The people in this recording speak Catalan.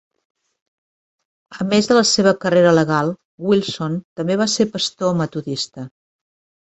A més de la seva carrera legal, Wilson també va ser pastor metodista.